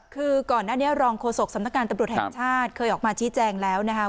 คือก่อนหน้านี้รองโฆษกสำนักการตำรวจแห่งชาติเคยออกมาชี้แจงแล้วนะคะ